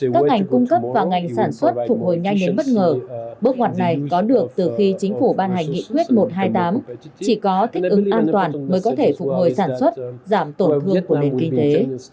các ngành cung cấp và ngành sản xuất phục hồi nhanh đến bất ngờ bước ngoặt này có được từ khi chính phủ ban hành nghị quyết một trăm hai mươi tám chỉ có thích ứng an toàn mới có thể phục hồi sản xuất giảm tổn thương của nền kinh tế